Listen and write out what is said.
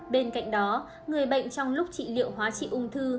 bên cạnh đó người bệnh trong lúc trị liệu hóa trị ung thư